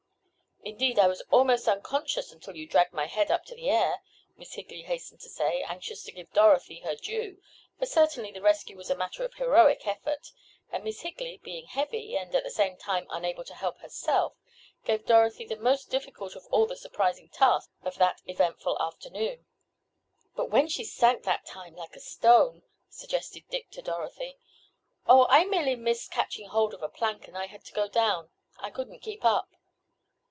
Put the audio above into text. "Indeed I was almost unconscious until you dragged my head up to the air," Miss Higley hastened to say, anxious to give Dorothy her due, for certainly the rescue was a matter of heroic effort, and Miss Higley, being heavy, and, at the same time, unable to help herself, gave Dorothy the most difficult of all the surprising tasks of that eventful afternoon. "But when she sank that time—like a stone," suggested Dick to Dorothy. "Oh, I merely missed catching hold of a plank and I had to go down—I couldn't keep up."